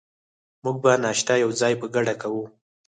موږ به ناشته یوځای په ګډه کوو.